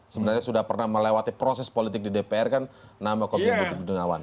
sebenarnya sudah pernah melewati proses politik di dpr kan nama kopi bintang awan